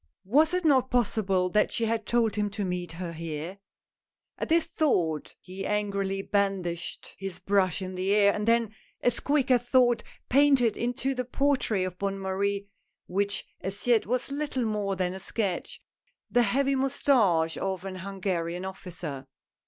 Was it not possible that she had told him to meet her here. At this thought he angrily brandished his brush in the air, and then, as quick as thought, painted into the portrait of Bonne Marie — which as yet was little more than a sketch — the heavy moustache of an Hungarian officer.